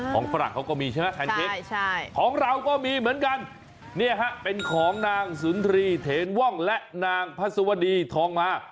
ฝรั่งเขาก็มีใช่ไหมแพนเค้กของเราก็มีเหมือนกันเนี่ยฮะเป็นของนางสุนทรีเถนว่องและนางพัสวดีทองมา